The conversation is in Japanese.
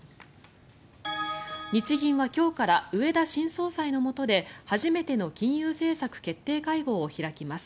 日銀は今日から植田新総裁のもとで初めての金融政策決定会合を開きます。